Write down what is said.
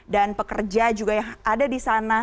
dan pekerja juga yang ada di sana